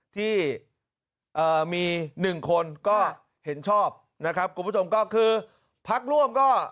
ที่มี๑คนก็เห็นชอบนะครับผมก็คือพักร่วมก็